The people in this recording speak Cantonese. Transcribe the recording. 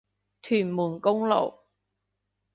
屯門公路